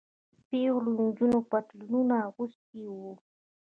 پيغلو نجونو پتلونونه اغوستي وو.